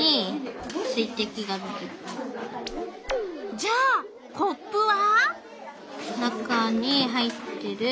じゃあコップは？